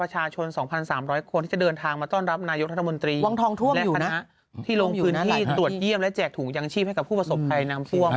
จะบอกว่าบนนี้เหมือน